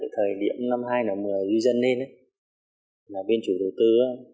thời điểm năm hai nghìn một mươi dân lên biên chủ đầu tư